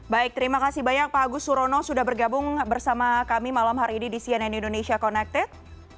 baik terima kasih banyak pak agus surono sudah bergabung bersama kami malam hari ini di cnn indonesia connected